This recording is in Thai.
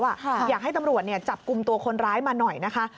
อยากให้ตำรวจจับกลุ่มตัวคนร้ายมาหน่อยนะคะ